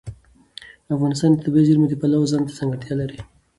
افغانستان د طبیعي زیرمې د پلوه ځانته ځانګړتیا لري.